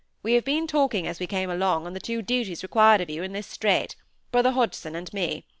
We have been talking as we came along on the two duties required of you in this strait; Brother Hodgson and me.